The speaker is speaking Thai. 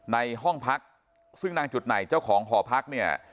ในห้องพักซึ่งนางจุดไหนเจ้าของหอพักเนี่ย